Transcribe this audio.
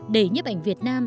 để nhếp ảnh việt nam